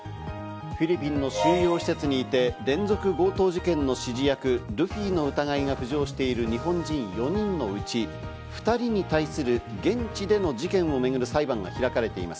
フィリピンの収容施設にいて、連続強盗事件の指示役・ルフィの疑いが浮上している日本人４人のうち、２人に対する現地での事件をめぐる裁判が開かれています。